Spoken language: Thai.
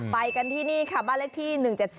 ไปกันที่นี่ค่ะบ้านเลขที่๑๗๔